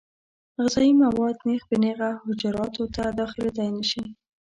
غذایي مواد نېغ په نېغه حجراتو ته داخلېدای نشي.